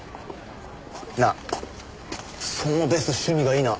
なあそのベスト趣味がいいな。